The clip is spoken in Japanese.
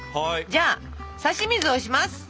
じゃあさし水をします！